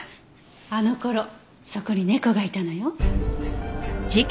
あの頃そこに猫がいたのよ。